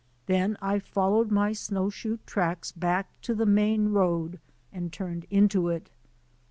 Then I followed my snowshoe tracks back to the main road and turned into it.